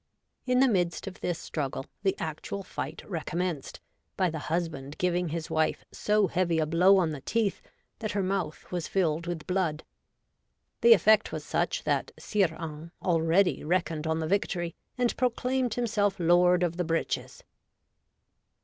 In the midst of this struggle the actual fight recom menced, by the husband giving his wife so heavy a blow on the teeth, that her mouth was filled with blood. The effect was such that Sire Hains already reckoned on the victory, and proclaimed himself lord of the breeches.